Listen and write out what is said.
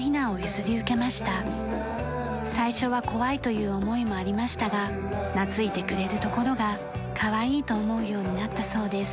最初は怖いという思いもありましたが懐いてくれるところがかわいいと思うようになったそうです。